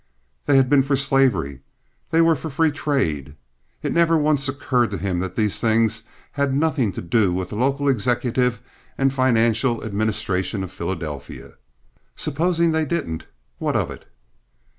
They had been for slavery. They were for free trade. It never once occurred to him that these things had nothing to do with the local executive and financial administration of Philadelphia. Supposing they didn't? What of it?